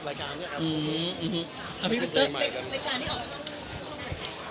ปลุกกับโรงพื้นทรีย์ของของทำลาย